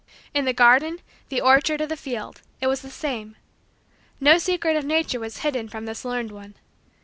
In the garden, the orchard, or the field, it was the same. No secret of nature was hidden from this learned one.